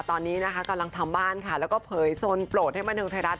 ตอนนี้นะคะกำลังทำบ้านค่ะแล้วก็เผยโซนโปรดให้บันเทิงไทยรัฐ